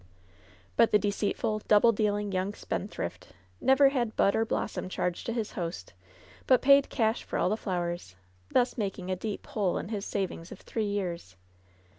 But the deceitful, double dealing young spendthrift never had bud or blossom charged to his host, but paid cash for all the flowers, thus making a deep hole in his savingsi of three years.